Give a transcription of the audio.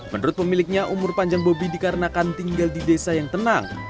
menurut pemiliknya umur panjang bobi dikarenakan tinggal di desa yang tenang